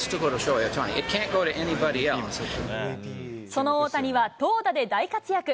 その大谷は、投打で大活躍。